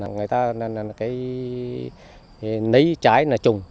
người ta lấy trái là trùng